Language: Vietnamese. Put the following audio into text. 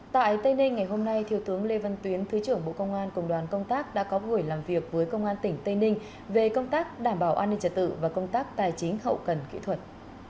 tại tây ninh ngày hôm nay thiếu tướng lê văn tuyến thứ trưởng bộ công an cùng đoàn công tác đã có buổi làm việc với công an tỉnh tây ninh về công tác đảm bảo an ninh trật tự và công tác tài chính hậu cần kỹ thuật